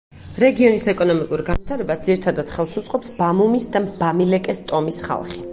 რეგიონის ეკონომიკურ განვითარებას ძირითადად ხელს უწყობს ბამუმის და ბამილეკეს ტომის ხალხი.